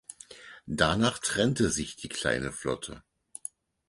Danach trennte sich die kleine Flotte.